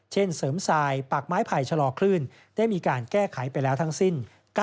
เสริมทรายปากไม้ไผ่ชะลอคลื่นได้มีการแก้ไขไปแล้วทั้งสิ้น